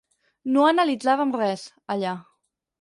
No analitzàvem res, allà.